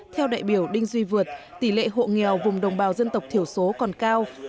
theo đại biểu đinh duy vượt tỷ lệ hộ nghèo vùng đồng bào dân tộc thiểu số còn cao